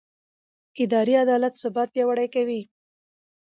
اداري عدالت ثبات پیاوړی کوي